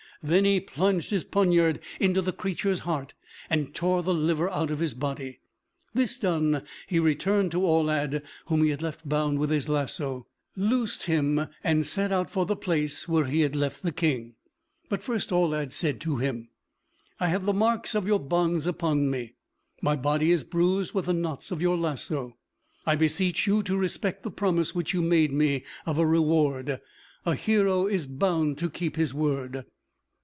Then he plunged his poinard into the creature's heart, and tore the liver out of his body. This done he returned to Aulad, whom he had left bound with his lasso, loosed him, and set out for the place where he had left the King. But first Aulad said to him, "I have the marks of your bonds upon me; my body is bruised with the knots of your lasso; I beseech you to respect the promise which you made me of a reward. A hero is bound to keep his word."